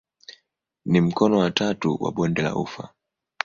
Ni mkono wa tatu wa bonde la ufa.